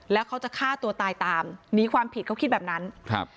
แล้วเขาจะฆ่าตัวตายตามหนีความผิดเขาคิดแบบนั้นครับ